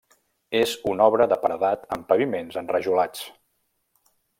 És una obra de paredat amb paviments enrajolats.